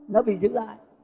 nó bị giữ lại